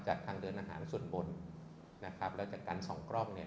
ทางเดินอาหารส่วนบนนะครับแล้วจากการส่องกล้องเนี่ย